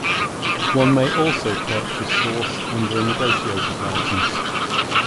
One may also purchase source under a negotiated license.